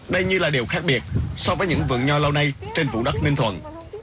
đây như là điều khác biệt so với những vườn nho lâu nay trên vụ đất ninh thuận